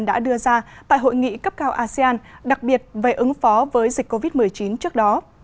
đã đưa ra tại hội nghị cấp cao asean đặc biệt về ứng phó với dịch covid một mươi chín trước đó